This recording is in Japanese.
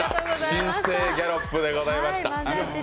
新生ギャロップでございました。